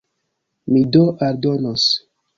Mi do aldonos.